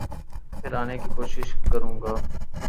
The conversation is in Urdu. پھر آنے کی کوشش کروں گا۔